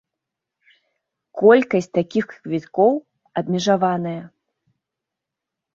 Колькасць такіх квіткоў абмежаваная.